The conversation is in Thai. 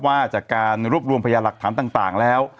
ว่าจากการรวบรวมพยาหลักฐานต่างแล้ว